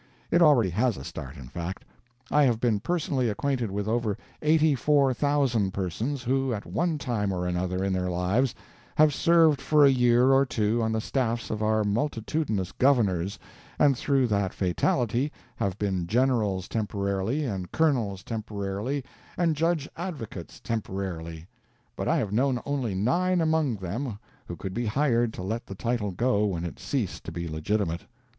It already has a start, in fact. I have been personally acquainted with over eighty four thousand persons who, at one time or another in their lives, have served for a year or two on the staffs of our multitudinous governors, and through that fatality have been generals temporarily, and colonels temporarily, and judge advocates temporarily; but I have known only nine among them who could be hired to let the title go when it ceased to be legitimate.